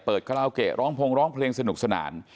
เปิดคาราโกะร้องโพงร้องเพลงสนุกสนาน